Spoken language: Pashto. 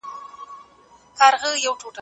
د دوړو په ورځ زه نه راځمه .